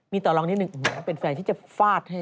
มีต่อรองนิดนึงแหมเป็นแฟนที่จะฟาดให้